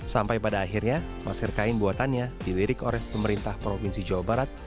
sampai pada akhirnya masker kain buatannya dilirik oleh pemerintah provinsi jawa barat